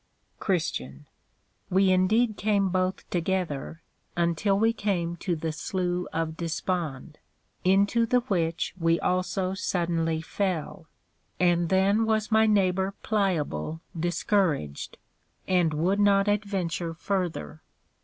CHR. We indeed came both together, until we came to the Slough of Dispond, into the which we also suddenly fell. And then was my Neighbor Pliable discouraged, and would not adventure further.